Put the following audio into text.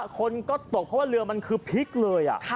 คนก็ตกเพราะว่าเรือมันคือพลิกเลย